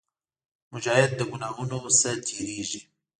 مجاهد د ګناهونو نه تېرېږي.